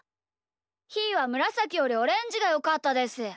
ひーはむらさきよりオレンジがよかったです。